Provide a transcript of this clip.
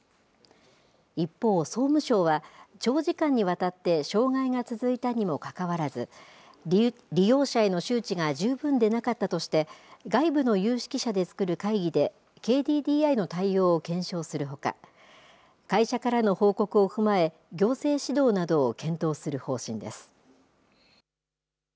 一方、総務省は長時間にわたって障害が続いたにもかかわらず、利用者への周知が十分でなかったとして、外部の有識者でつくる会議で、ＫＤＤＩの対応を検証するほか、会社からの報告を踏まえ、行政指導などを検討する方針です。